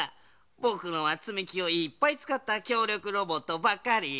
ぼくのはつみきをいっぱいつかったきょうりょくロボットばっかり。